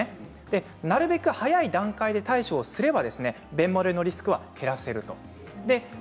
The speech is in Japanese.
なるべく早い段階で対処をすれば便もれのリスクは減らせると。